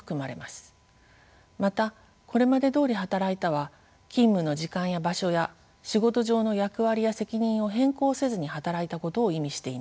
また「これまでどおり働いた」は勤務の時間や場所や仕事上の役割や責任を変更せずに働いたことを意味しています。